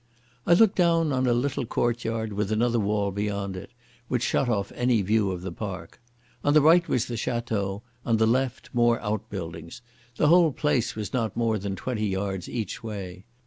I looked down on a little courtyard with another wall beyond it, which shut off any view of the park. On the right was the Château, on the left more outbuildings; the whole place was not more than twenty yards each way.